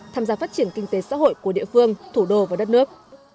tham gia phát triển kinh tế xã hội của địa phương thủ đô và đất nước